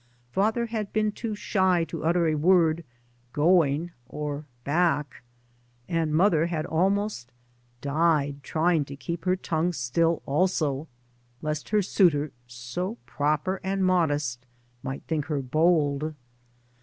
Father had been too shy to utter a word " going or back," and mother had almost " died trying to keep her tongue still also," lest her suitor, so proper and modest, might think her bold.